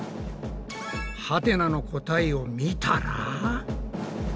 ハテナの答えを見たら。